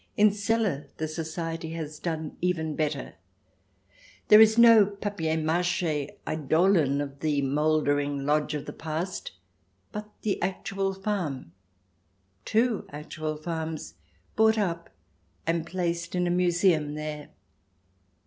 In Celle the society has done even better : there is no papier mache eidolon of the mouldering lodge of the past, but the actual farm — two actual farms — bought up and placed in a museum there.